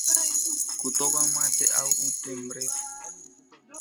Kutokwa mate au ute mrefu